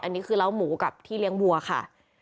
อันนี้คือเล้าหมูกับที่เลี้ยงวัวค่ะ